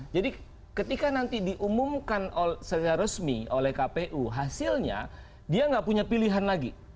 jadi ketika nanti diumumkan secara resmi oleh kpu hasilnya dia tidak punya pilihan lagi